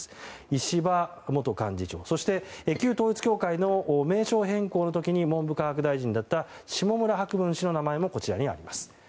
石破元幹事長、そして旧統一教会の名称変更の時に文部科学大臣だった下村博文氏の名前もこちらにあります。